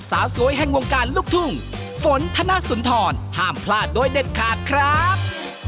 สวัสดีครับ